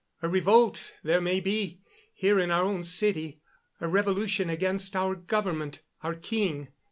A revolt, there may be, here in our own city a revolution against our government, our king.